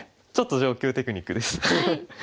ちょっと上級テクニックです。